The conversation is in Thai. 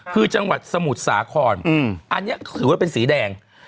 คือจังหวัดสมุทรสาครอันนี้ถือว่าเป็นสีแดง